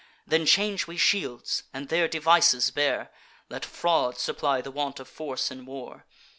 Then change we shields, and their devices bear: Let fraud supply the want of force in war.